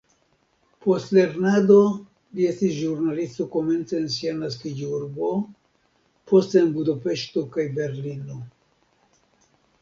Post lernado li estis ĵurnalisto komence en sia naskiĝurbo, poste en Budapeŝto kaj Berlino.